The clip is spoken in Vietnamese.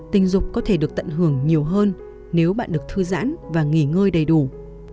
tình dục có thể được tận hưởng nhiều hơn nếu bạn được thư giãn và nghe được